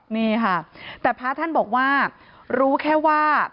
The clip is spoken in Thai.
นี่ค่ะแต่พระท่านบอกว่ารู้แค่ว่า